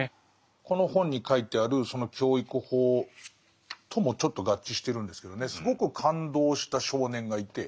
この本に書いてあるその教育法ともちょっと合致してるんですけどねすごく感動した少年がいて。